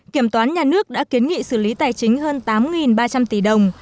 kiểm toán nhà nước đã kiến nghị xử lý tài chính hơn tám ba trăm linh tỷ đồng